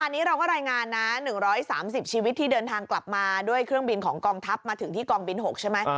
อันนี้เราก็รายงานนะ๑๓๐ชีวิตที่เดินทางกลับมาด้วยเครื่องบินของกองทัพมาถึงที่กองบิน๖ใช่ไหม